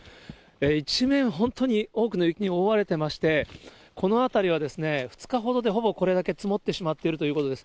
一面、本当に多くの雪に覆われてまして、この辺りは、２日ほどでほぼこれだけ積もってしまっているということです。